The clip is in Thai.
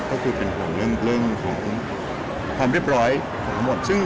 ก็คือเป็นห่วงเรื่องของความเรียบร้อยของทั้งหมด